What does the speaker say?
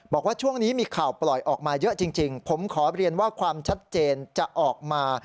บอกว่าช่วงนี้มีข่าวปล่อยออกมาเยอะจริงผมขอเรียนว่าความชัดเจนจะออกมา